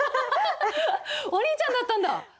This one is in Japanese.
お兄ちゃんだったんだ！